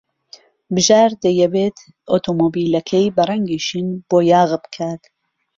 بژار دەیەوێت ئۆتۆمۆبیلەکەی بە ڕەنگی شین بۆیاغ بکات.